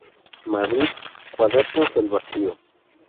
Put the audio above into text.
Madrid: Cuadernos del Vacío.